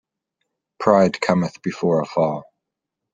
Pride cometh before a fall.